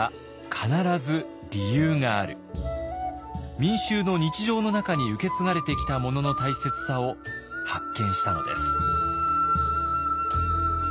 民衆の日常の中に受け継がれてきたものの大切さを発見したのです。